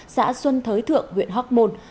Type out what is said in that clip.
xã xuân thới thượng huyện hóc môn